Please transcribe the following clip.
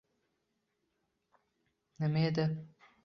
Nima edi?